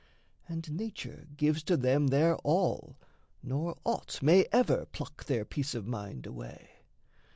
And nature gives to them their all, nor aught May ever pluck their peace of mind away.